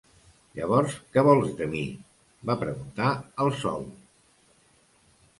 "Llavors què vols de mi?", va preguntar el sol.